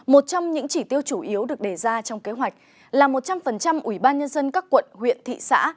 một trong những chỉ tiêu chủ yếu được đề ra trong kế hoạch là một trăm linh ủy ban nhân dân các quận huyện thị xã